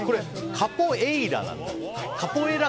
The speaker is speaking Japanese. カポエイラなんだ。